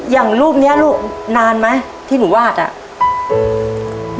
อย่างรูปเนี้ยลูกนานไหมที่หนูวาดอ่ะ